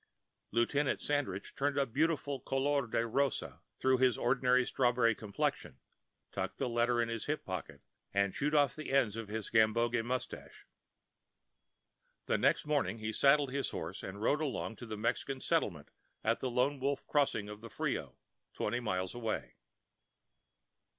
Lieutenant Sandridge turned a beautiful couleur de rose through his ordinary strawberry complexion, tucked the letter in his hip pocket, and chewed off the ends of his gamboge moustache. The next morning he saddled his horse and rode alone to the Mexican settlement at the Lone Wolf Crossing of the Frio, twenty miles away.